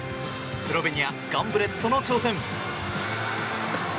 スロベニア、ガンブレットの挑戦。